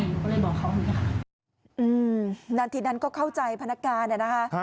หนูก็เลยบอกเขามีค่ะอืมทีนั้นก็เข้าใจพนักการนะนะคะ